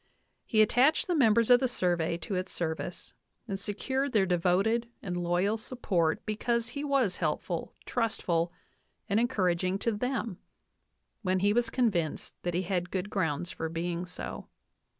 He attached the members of the Survey to its service and secured their de voted and loyal support because he was helpful, trustful, and encouraging to them when he was convinced that he had good grounds for being so.